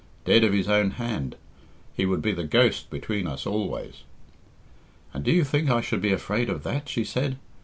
dead of his own hand. He would be the ghost between us always." "And do you think I should be afraid of that?" she said.